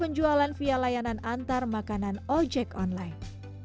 dan juga penjualan via layanan antar makanan ojek online